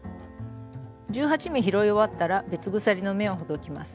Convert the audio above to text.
１８目拾い終わったら別鎖の目をほどきます。